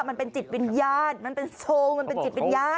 มันเป็นจิตวิญญาณมันเป็นทรงมันเป็นจิตวิญญาณ